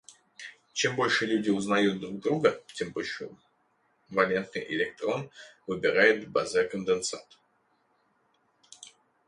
Чем больше люди узнают друг друга, тем больше валентный электрон выбирает бозе-конденсат.